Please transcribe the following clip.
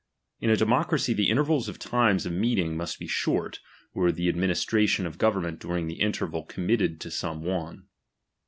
Id a deinoeracy the intervals of the times of meeting musl=^ be short, or tlie administration of government during the in terval committed to some one.